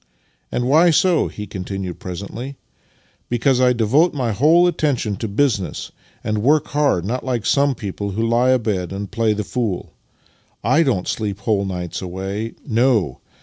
" "And why so?" he continued presently. "Be cause I devote my whole attention to business and work hard — not like some people who lie abed and play the fool. / don't sleep whole nights away. No.